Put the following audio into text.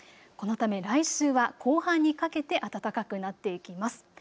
このため来週は後半にかけて暖かくなっていきます。